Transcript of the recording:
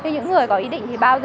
những người có ý định thì bảo vệ